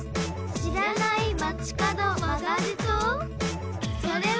知らない街角曲がるとそれは旅です！